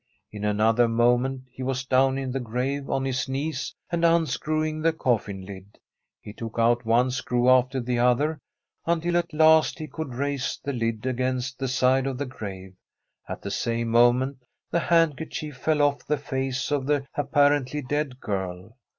In another moment he was down in the grave on his knees and unscrewing the coffin lid. He took out one screw after the other, until at last he could raise the lid against the side of the grave; at the same moment the handkerchief fell from off the face of the apparently dead girl.